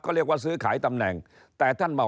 ก็เรียกว่าซื้อขายตำแหน่ง